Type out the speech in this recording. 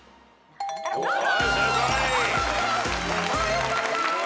よかった。